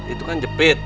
itu kan jepit